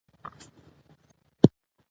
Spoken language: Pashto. د ذوق لغوي مانا: سلیقه، خوښه او مېل ده.